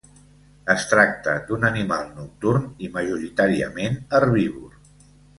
Es tracta d'un animal nocturn i majoritàriament herbívor.